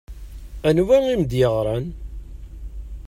Anwa i m-d-yeɣṛan?